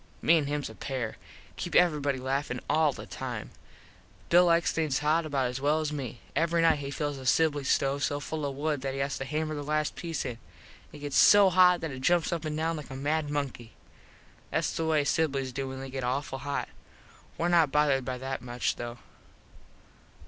Me an hims a pair. Keep everybody laffin all the time. Bill likes things hot about as well as me. Every nite he fills the Sibly stove so full of wood that he has to hammer the last piece in. It gets so hot that it jumps up and down like a mad monkey. Thats the way Siblys do when they get awful hot. Were not bothered by that much though.